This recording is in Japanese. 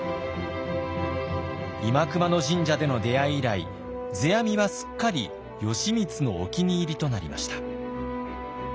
新熊野神社での出会い以来世阿弥はすっかり義満のお気に入りとなりました。